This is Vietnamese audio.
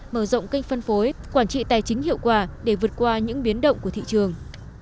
mở rộng kênh phân phối quản trị tài chính hiệu quả để vượt qua những biến động của thị trường